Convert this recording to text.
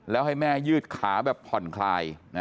แล้วให้แม่ยืดขาแบบผ่อนคลาย